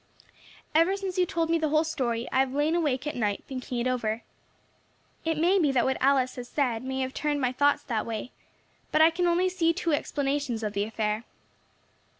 "Ever since you told me the whole story, I have lain awake at night thinking it over. It may be that what Alice has said may have turned my thoughts that way, but I can see only two explanations of the affair.